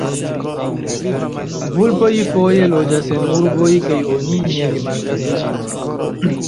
Vulpoj foje loĝas en urboj kaj oni ne rimarkas ĝin.